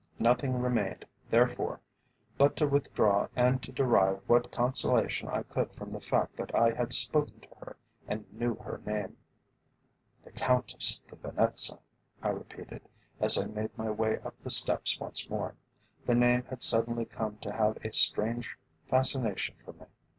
Nothing remained, therefore, but to withdraw and to derive what consolation I could from the fact that I had spoken to her and knew her name. "The Countess de Venetza," I repeated, as I made my way up the steps once more. The name had suddenly come to have a strange fascination for me.